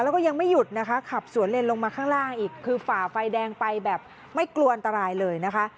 แล้วก็ยังไม่หยุดนะคะขับสวนเลนลงมาข้างล่างอีกคือฝ่าไฟแดงไปแบบไม่กลัวอันตรายเลยนะคะ